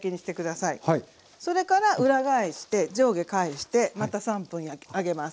それから裏返して上下返してまた３分揚げます。